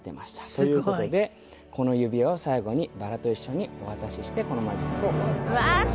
という事でこの指輪は最後にバラと一緒にお渡ししてこのマジックを終わりたいと思います。